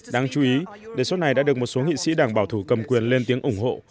đáng chú ý đề xuất này đã được một số nghị sĩ đảng bảo thủ cầm quyền lên tiếng ủng hộ